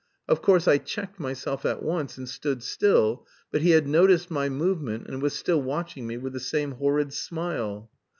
Of course I checked myself at once, and stood still, but he had noticed my movement and was still watching me with the same horrid smile.